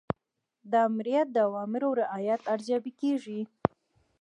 د آمریت د اوامرو رعایت ارزیابي کیږي.